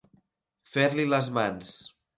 Fer-li les mans.